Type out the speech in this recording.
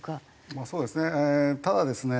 そうですね。